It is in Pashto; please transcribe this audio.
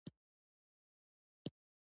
هرات د افغانستان د طبیعت یوه برخه ده.